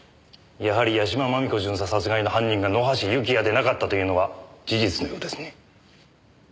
やはり屋島真美子巡査殺害の犯人が野橋幸也でなかったというのは事実のようですね。